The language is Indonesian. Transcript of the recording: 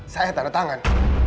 saya tanda tangan